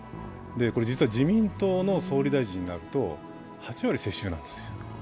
実は自民党の総理大臣になると８割世襲なんですよ。